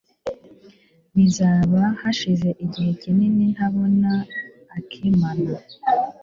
Bizaba hashize igihe kinini ntabona akimana.